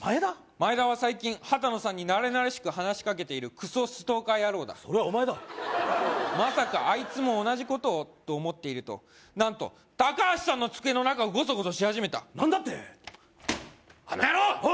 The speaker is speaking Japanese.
マエダは最近羽多野さんになれなれしく話しかけているクソストーカー野郎だそれはお前だまさかあいつも同じ事を？と思っていると何とタカハシさんの机の中をゴソゴソし始めた何だってあの野郎！